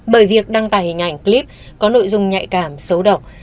bởi việc đăng tải hình ảnh clip có nội dung nhạy cảm xấu độc